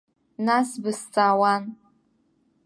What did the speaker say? Нас сбызҵаауан.